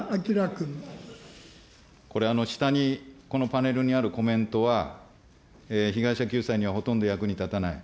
これ、下に、このパネルにあるコメントは、被害者救済にはほとんど役に立たない。